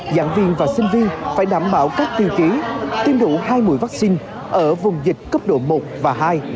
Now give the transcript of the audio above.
giảng viên và sinh viên phải đảm bảo các tiêu chí tiêm đủ hai mũi vaccine ở vùng dịch cấp độ một và hai